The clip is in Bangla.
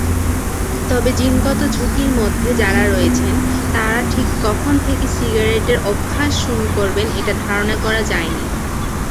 তবে জিনগত ঝুঁকির মধ্যে যারা রয়েছেন, তারা ঠিক কখন থেকে সিগারেটের অভ্যাস শুরু করবেন এটা ধারণা করা যায়নি।